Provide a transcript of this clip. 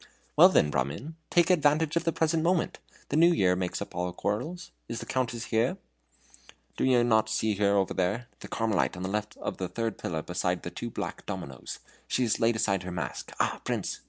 "Well, then, Brahmin, take advantage of the present moment. The New Year makes up all quarrels. Is the Countess here?" "Do you not see her over there the Carmelite on the left of the third pillar beside the two black dominos. She has laid aside her mask. Ah, Prince!